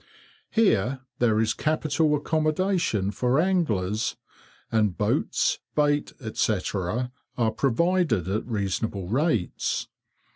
Here there is capital accommodation for anglers, and boats, bait, etc., are provided at reasonable rates.